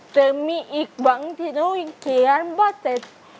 เธอมีอีกหวังที่รู้ยังเขียนบ้าเจ็ด